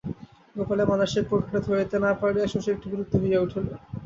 গোপালের মানসিক প্রক্রিয়াটা ধরিতে না পারিয়া শশী একটু বিরক্ত হইয়া উঠিল।